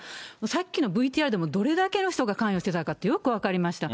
さっきのＶＴＲでもどれだけの人が関与してたかってよく分かりました。